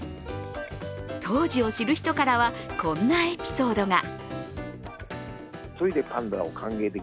当時を知る人からはこんなエピソードが。